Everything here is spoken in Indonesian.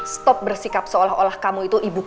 stop bersikap seolah olah kamu itu ibu